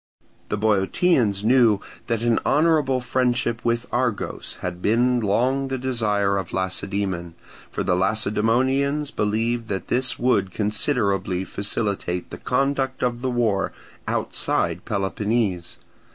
The Boeotians knew that an honourable friendship with Argos had been long the desire of Lacedaemon; for the Lacedaemonians believed that this would considerably facilitate the conduct of the war outside Peloponnese.